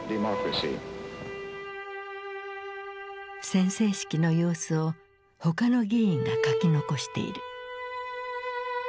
宣誓式の様子を他の議員が書き残している。